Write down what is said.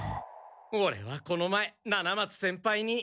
オレはこの前七松先輩に。